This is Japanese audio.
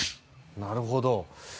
なるほど。